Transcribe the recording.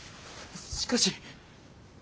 しかし。